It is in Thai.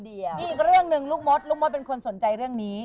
มีอีกเรื่องหนึ่งลูกมดลูกมดเป็นคนสนใจเรื่องนี้